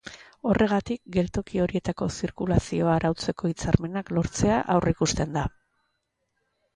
Horregatik, geltoki horietako zirkulazioa arautzeko hitzarmenak lortzea aurreikusten da.